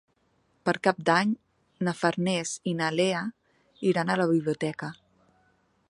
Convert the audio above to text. Per Cap d'Any na Farners i na Lea iran a la biblioteca.